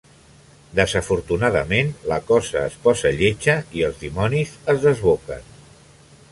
Desafortunadament, la cosa es posa lletja i els dimonis es desboquen.